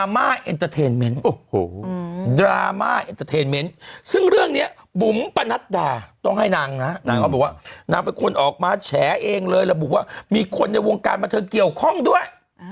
ปลูกว่ามีคนในวงการบันทึงเกี่ยวข้องด้วย